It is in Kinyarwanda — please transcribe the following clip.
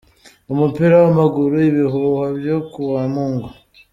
Umupira w'amaguru: Ibihuhwa vyo ku wa Mungu.